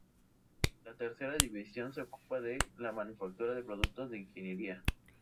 La tercera división se ocupa de la manufactura de productos de ingeniería.